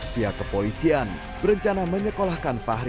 pihak kepolisian berencana menyekolahkan fahri